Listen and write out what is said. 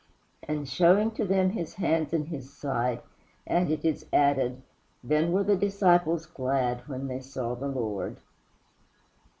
and showing to them his hands and his side; and it is added, "Then were the disciples glad when they saw the Lord."